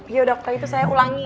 iya udah kak itu saya ulangi